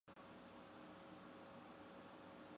小硬枝藓为平藓科羽枝藓属下的一个种。